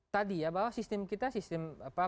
tadi ya bahwa sistem kita sistem